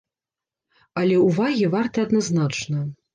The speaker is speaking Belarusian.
Але ўвагі варты адназначна.